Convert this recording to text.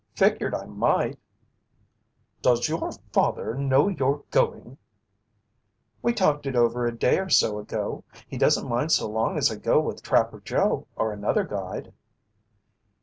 "Figured I might." "Does your father know you're going?" "We talked it over a day or so ago. He doesn't mind so long as I go with Trapper Joe or another guide."